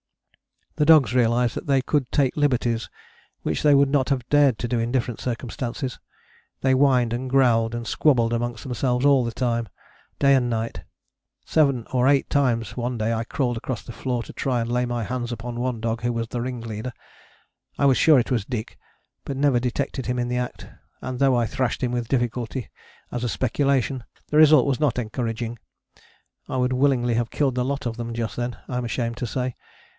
The dogs realized that they could take liberties which they would not have dared to do in different circumstances. They whined and growled, and squabbled amongst themselves all the time, day and night. Seven or eight times one day I crawled across the floor to try and lay my hands upon one dog who was the ringleader. I was sure it was Dyk, but never detected him in the act, and though I thrashed him with difficulty as a speculation, the result was not encouraging. I would willingly have killed the lot of them just then, I am ashamed to say.